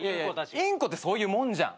インコってそういうもんじゃん。